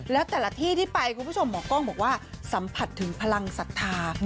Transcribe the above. แล้วแต่ละที่ที่ไปคุณผู้ชมหมอกล้องบอกว่าสัมผัสถึงพลังศรัทธา